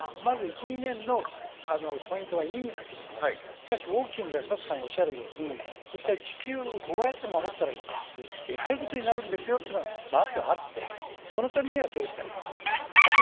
ですから、これは当面の１２年のポイントはいいんだけど、大きく見ればサトさんがおっしゃったように、地球をどうやって守ったらいいか、えらいことになるんですよというのがまずあって、そのためにどうしたらいいか。